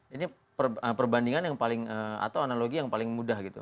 ini perbandingan atau analogi yang paling mudah gitu